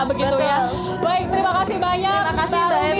baik terima kasih banyak mbak aromi